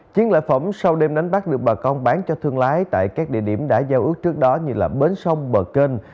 chiến lợi phẩm sau đêm đánh bắt được bà con bán cho thương lái tại các địa điểm đã giao ước trước đó như là bến sông bờ kênh